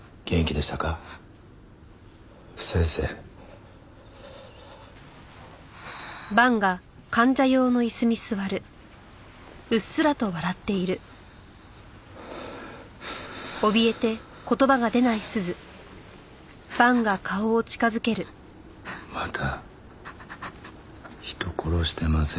また人殺してませんか？